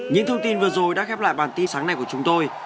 những thông tin vừa rồi đã khép lại bản tin sáng nay của chúng tôi